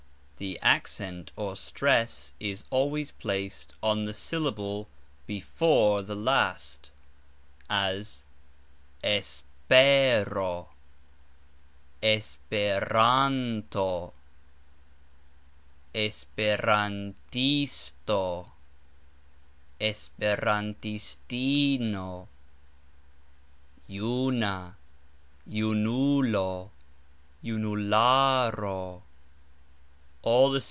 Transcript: The accent or stress is always placed on the syllable before the last, as es PE ro, es pe RAN to, es pe ran TIS to, es pe ran tis TI no; JU na, ju NU lo, ju nu LA ro.